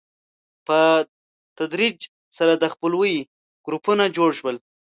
په تدریج سره د خپلوۍ ګروپونه جوړ شول.